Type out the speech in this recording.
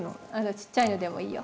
ちっちゃいのでもいいよ。